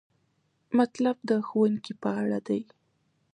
مطلب د ښوونکي په اړه دی.